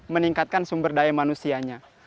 meningkatkan sumber daya manusianya